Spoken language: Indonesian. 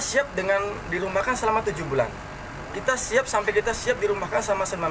siap dengan dirumahkan selama tujuh bulan kita siap sampai kita siap dirumahkan sama senam